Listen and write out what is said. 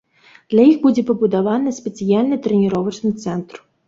Для іх будзе пабудаваны спецыяльны трэніровачны цэнтр.